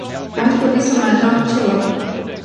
Aș dori să mai adaug ceva.